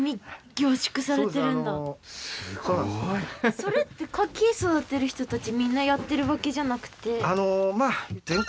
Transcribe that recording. それってカキ育てる人たちみんなやってるわけじゃなくて？